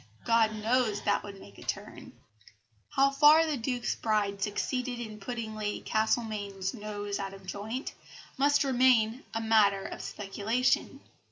God knows that would make a great turn." How far the Duke's bride succeeded in putting Lady Castlemaine's "nose out of joint" must remain a matter of speculation.